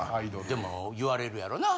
でも言われるやろな。